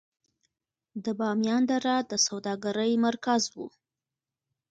د بامیان دره د سوداګرۍ مرکز و